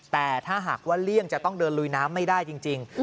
แต่ถ้าหากว่าเลี่ยงจะต้องเดินลุยน้ำไม่ได้จริง